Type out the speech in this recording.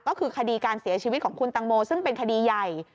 ก็คือคดีการเสียชีวิตของคุณตังโมซึ่งเป็นคดีใหญ่